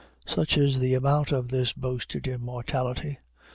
Such is the amount of this boasted immortality.